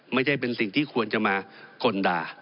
ไม่ใช่เป็นสิ่งที่ควรจะมากลด่า